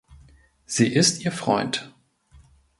Sie ist ihr Freund.